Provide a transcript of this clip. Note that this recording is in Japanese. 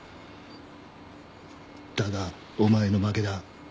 だがお前の負けだ。